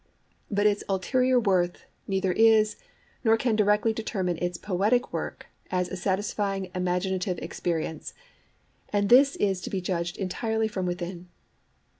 But its ulterior worth neither is nor can directly determine its poetic worth as a satisfying imaginative experience; and this is to be judged entirely from within.